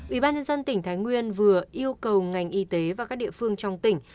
ủy ban nhân dân tỉnh thái nguyên vừa yêu cầu ngành y tế và các địa phương trong tỉnh